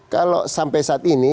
kalau sampai saat ini